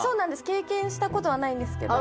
経験したことはないんですけど。